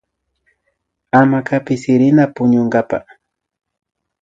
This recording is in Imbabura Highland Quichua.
Hamacapi sirirka puñunkapa